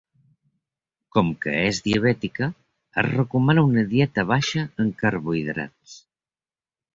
Com que és diabètica, es recomana una dieta baixa en carbohidrats.